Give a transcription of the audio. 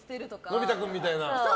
のび太君みたいな。